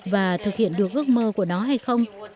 và thực hiện được ước mơ của nó hay không